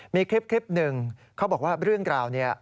มีคลิป๑เขาบอกว่าเรื่องราวเนี่ย